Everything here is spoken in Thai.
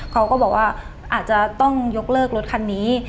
เขาก็บอกว่าอาจจะต้องยกเลิกรถคันนี้